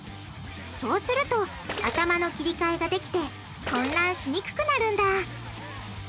そうすると頭の切り替えができて混乱しにくくなるんだ！